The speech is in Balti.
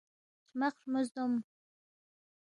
ہرمق ہرمُو زدوم